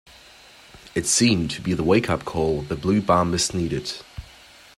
It seemed to be the wake-up call the Blue Bombers needed.